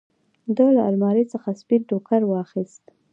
ده له المارۍ څخه سپين ټوکر واخېست.